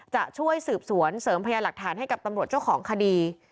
จะช่วยสืบสวนเสริมพยานหลักฐานให้กับตำรวจเจ้าของคดี